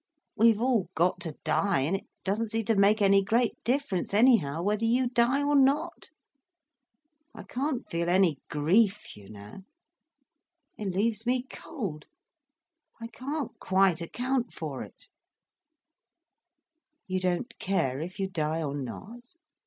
We've all got to die, and it doesn't seem to make any great difference, anyhow, whether you die or not. I can't feel any grief, you know. It leaves me cold. I can't quite account for it." "You don't care if you die or not?"